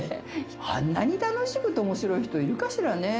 あんなに楽しくておもしろい人、いるかしらね。